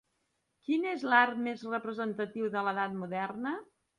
Quin és l'art més representatiu de l'edat moderna?